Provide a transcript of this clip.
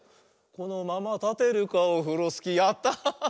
「このままたてるかオフロスキー」やった！